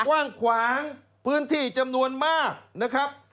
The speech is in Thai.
กว้างขวางพื้นที่จำนวนมากนะครับ